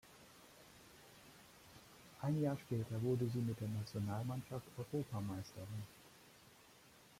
Ein Jahr später wurde sie mit der Nationalmannschaft Europameisterin.